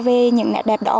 về những nét đẹp đó